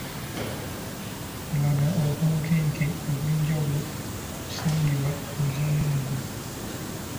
Laga obunkenke obw’enjawulo obusangibwa mu muzannyo ogwo.